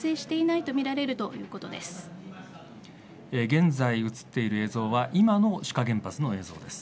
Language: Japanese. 現在、映っている映像は今の志賀原発の映像です。